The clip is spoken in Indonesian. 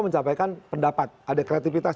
mencapai pendapat ada kreatifitas